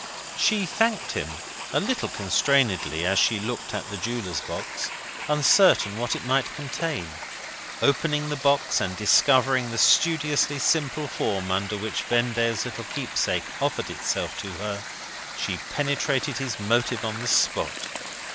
She thanked him, a little constrainedly, as she looked at the jeweller's box, uncertain what it might contain. Opening the box, and discovering the studiously simple form under which Vendale's little keepsake offered itself to her, she penetrated his motive on the spot.